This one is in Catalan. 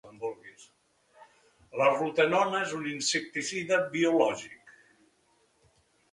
La rotenona és un insecticida biològic.